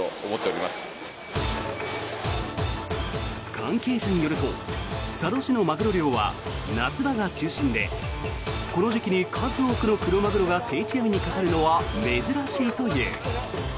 関係者によると佐渡市のマグロ漁は夏場が中心でこの時期に数多くのクロマグロが定置網にかかるのは珍しいという。